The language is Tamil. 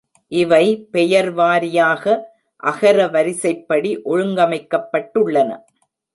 இவை பெயர்வாரியாக அகர வரிசைப்படி ஒழுங்கமைக்கப்பட்டுள்ளன.